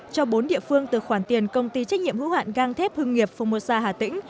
cho bốn địa phương từ khoản tiền công ty trách nhiệm hữu hạn găng thép hương nghiệp phong mursa hà tĩnh